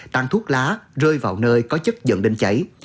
tàn thuốc lá rơi vào nơi có chất dẫn đến cháy